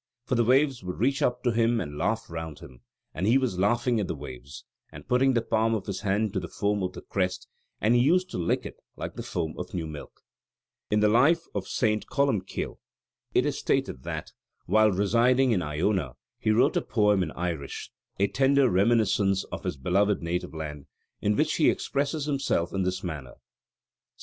For the waves would reach up to him and laugh round him; and he was laughing at the waves, and putting the palm of his hand to the foam of the crest, and he used to lick it like the foam of new milk." In the Life of St. Columkille it is stated that, while residing in Iona, he wrote a poem in Irish, a tender reminiscence of his beloved native land, in which he expresses himself in this manner: ST.